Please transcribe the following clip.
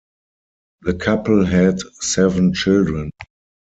The couple had seven children.